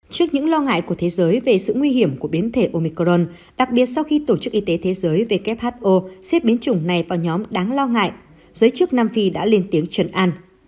trước những lo ngại của thế giới về sự nguy hiểm của biến thể omicron đặc biệt sau khi tổ chức y tế thế giới who xếp biến chủng này vào nhóm đáng lo ngại giới chức nam phi đã lên tiếng trần an